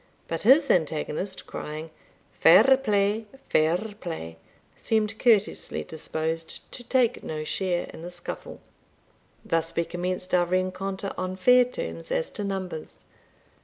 But his antagonist, crying "Fair play, fair play!" seemed courteously disposed to take no share in the scuffle. Thus we commenced our rencontre on fair terms as to numbers.